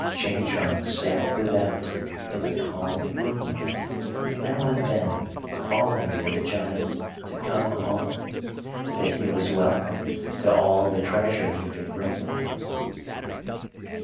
Ching Chong sat without in the calm moonlight, now and then calling to the giant to come on, and that he was welcome to all the treasure he could bring with him.